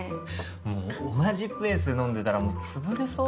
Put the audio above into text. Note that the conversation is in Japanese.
もう同じペースで飲んでたら潰れそう。